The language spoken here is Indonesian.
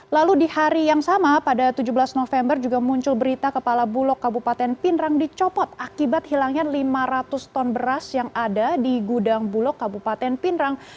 lalu di hari yang sama pada tujuh belas november juga muncul berita kepala bulog kabupaten pindrang dicopot akibat hilangnya lima ratus ton beras yang ada di gudang bulog kabupaten pindrang